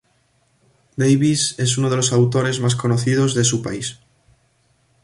Davies es uno de los autores más conocidos de su país.